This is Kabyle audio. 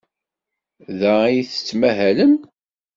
Da ay tettmahalem?